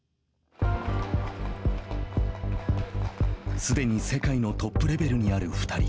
すでに世界のトップレベルにある２人。